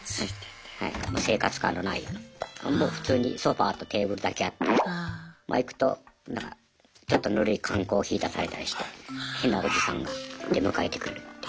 生活感のないようなもう普通にソファーとテーブルだけあってま行くとなんかちょっとぬるい缶コーヒー出されたりして変なおじさんが出迎えてくれるっていう。